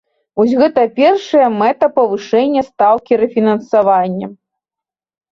Вось гэта першая мэта павышэння стаўкі рэфінансавання.